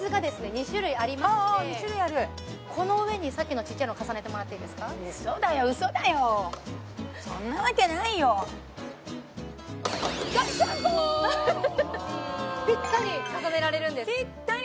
２種類あるこの上にさっきのちっちゃいのを重ねてもらっていいですかウソだよウソだよそんなわけないよぴったり重ねられるんですぴったり！